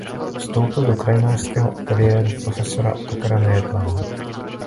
Vstoupil do krajinářského ateliéru profesora Otakara Nejedlého.